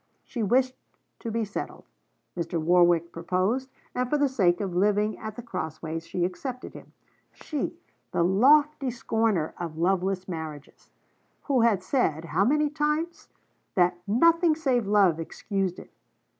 She wished to be settled, Mr. Warwick proposed, and for the sake of living at The Crossways she accepted him she, the lofty scorner of loveless marriages! who had said how many times! that nothing save love excused it!